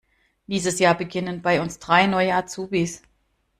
Dieses Jahr beginnen bei uns drei neue Azubis.